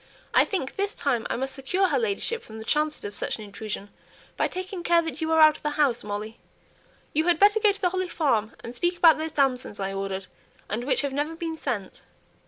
"I think this time I must secure her ladyship from the chances of such an intrusion, by taking care that you are out of the house, Molly. You had better go to the Holly Farm, and speak about those damsons I ordered, and which have never been sent."